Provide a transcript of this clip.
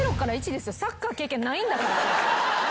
サッカー経験ないんだから。